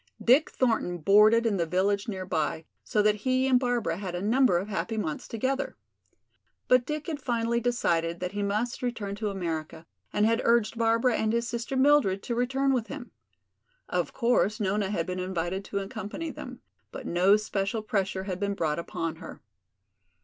Dick Thornton boarded in the village near by, so that he and Barbara had a number of happy months together. But Dick had finally decided that he must return to America and had urged Barbara and his sister Mildred to return with him. Of course, Nona had been invited to accompany them, but no special pressure had been brought upon her.